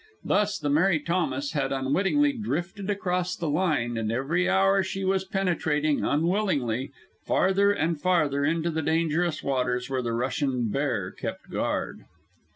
Thus the Mary Thomas had unwittingly drifted across the line, and every hour she was penetrating, unwillingly, farther and farther into the dangerous waters where the Russian bear kept guard.